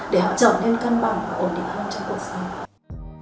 để họ trở nên cân bằng và ổn định hơn cho cuộc sống